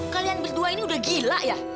kalian berdua ini udah gila ya